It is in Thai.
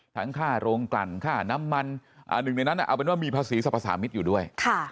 ค่าโรงกลั่นค่าน้ำมันหนึ่งในนั้นเอาเป็นว่ามีภาษีสรรพสามิตรอยู่ด้วย